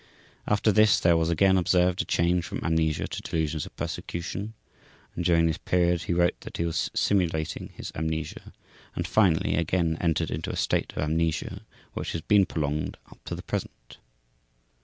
After this there was again observed a change from amnesia to delusions of persecution, and during this period he wrote that he was simulating his amnesia, and, finally, again entered into a state of amnesia which has been prolonged up to the present.